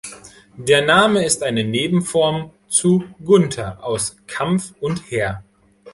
Der Name ist eine Nebenform zu Gunther, aus ‚Kampf‘ und ‚Heer‘.